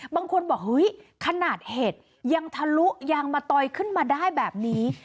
บางคนบอกเฮ้ยขนาดเห็ดยังทะลุยังมาต่อยขึ้นมาได้แบบนี้